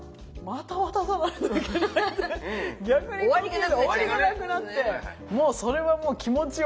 終わりがなくなっちゃう。